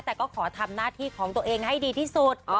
แต่ก็ขอทำหน้าที่ของตัวเองให้ดีที่สุด